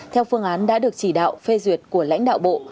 theo phương án đã được chỉ đạo phê duyệt của lãnh đạo bộ